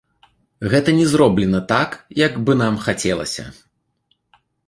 Гэта не зроблена так, як бы нам хацелася.